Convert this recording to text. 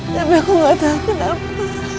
tapi aku gak takut kenapa